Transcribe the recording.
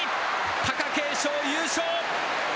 貴景勝、優勝。